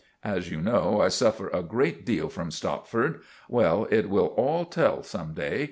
As you know, I suffer a great deal from Stopford. Well, it will all tell some day.